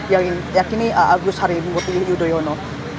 yang yakini agus haribungkuti yudhoyono